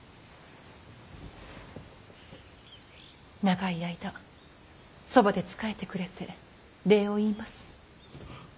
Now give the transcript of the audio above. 長い間そばで仕えてくれて礼を言います。